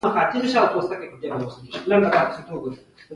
متل دی: په ترخه خوله به خپله تباهي وکړې، په خوږه د بل.